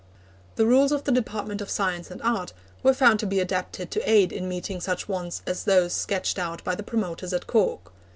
The rules of the Department of Science and Art were found to be adapted to aid in meeting such wants as those sketched out by the promoters at Cork.